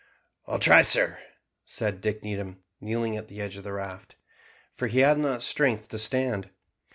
"I'll try, sir," said Dick Needham, kneeling at the edge of the raft, for he had not strength to stand.